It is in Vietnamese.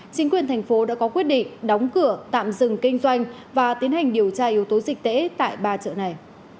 chính quyền thành phố đã có quyết định đóng cửa tạm dừng kinh doanh và tiến hành điều tra yếu tố dịch tễ tại ba chợ này